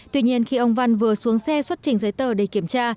tuy nhiên khi ông văn vừa xuống xe xuất trình giấy tờ để kiểm tra